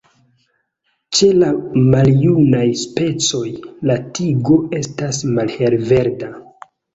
Ĉe la maljunaj specoj, la tigo estas malhelverda.